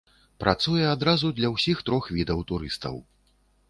Працуе адразу для ўсіх трох відаў турыстаў.